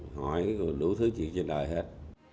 hỏi đủ thứ chuyện trên đời hết